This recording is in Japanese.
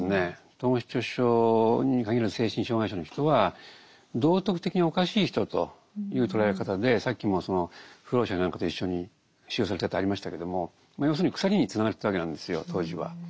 統合失調症に限らず精神障害者の人は道徳的におかしい人という捉え方でさっきもその浮浪者や何かと一緒に収容されたとありましたけどもまあ要するに鎖につながれてたわけなんですよ当時は。